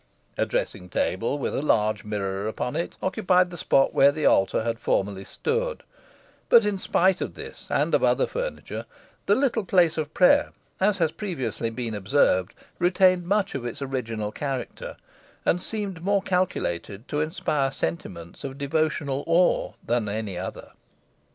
A dressing table, with a large mirror upon it, occupied the spot where the altar had formerly stood; but, in spite of this, and of other furniture, the little place of prayer, as has previously been observed, retained much of its original character, and seemed more calculated to inspire sentiments of devotional awe than any other.